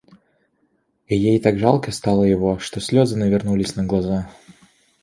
И ей так жалко стало его, что слезы навернулись на глаза.